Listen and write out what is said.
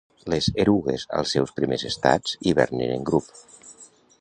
Les erugues als seus primers estats hivernen en grup.